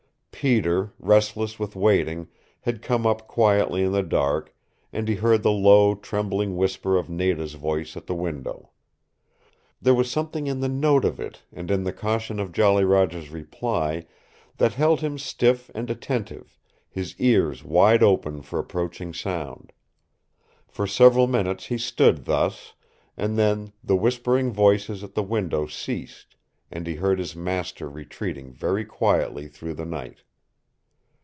Peter, restless with waiting, had come up quietly in the dark, and he heard the low, trembling whisper of Nada's voice at the window. There was something in the note of it, and in the caution of Jolly Roger's reply, that held him stiff and attentive, his ears wide open for approaching sound. For several minutes he stood thus, and then the whispering voices at the window ceased and he heard his master retreating very quietly through the night.